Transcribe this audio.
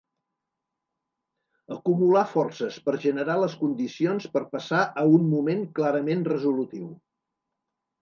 Acumular forces per generar les condicions per passar a un moment clarament resolutiu.